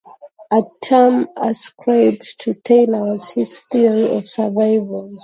A term ascribed to Tylor was his theory of "survivals".